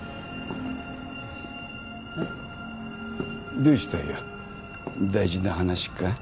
どうしたよ大事な話か？